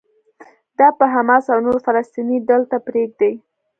دا به حماس او نورو فلسطيني ډلو ته پرېږدي.